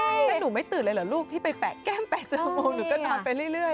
ให้ดูไม่ตื่นเลยเหรอลูกที่ไปแปะแก้มแปะเจมส์โมงหรือก็นอนไปเรื่อย